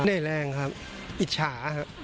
เนื่องแรงครับอิจฉา